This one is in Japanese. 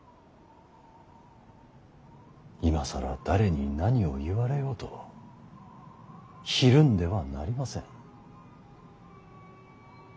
今更誰に何を言われようとひるんではなりません。